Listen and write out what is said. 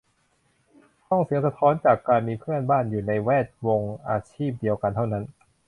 ห้องเสียงสะท้อนจากการมีเพื่อนบ้านอยู่ในแวดวงอาชีพเดียวกันเท่านั้น